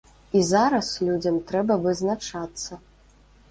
І зараз людзям трэба вызначацца.